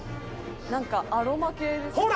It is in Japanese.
なんかアロマ系ですか？